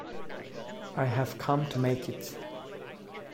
I have come to make it.